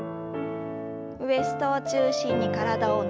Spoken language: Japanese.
ウエストを中心に体をねじって。